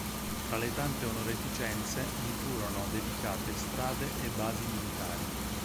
Tra le tante onorificenze, gli furono dedicate strade e basi militari.